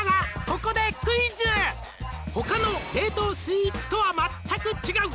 ここでクイズ」「他の冷凍スイーツとは全く違う」